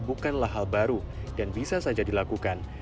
bukanlah hal baru dan bisa saja dilakukan